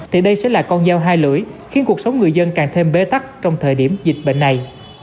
thì đây sẽ là con dao hai lưỡi khiến cuộc sống người dân càng thêm bế tắc trong thời điểm dịch bệnh này